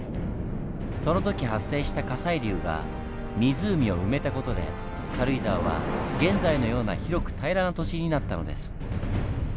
その時発生した火砕流が湖を埋めた事で軽井沢は現在のような広く平らな土地になったのです。